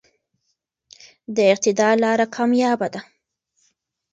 د اعتدال لاره کاميابه ده.